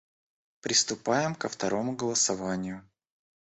Приступаем ко второму голосованию.